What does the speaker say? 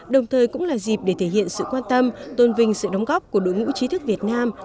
đồng thời cũng là dịp để thể hiện sự quan tâm tôn vinh sự đóng góp của đội ngũ trí thức việt nam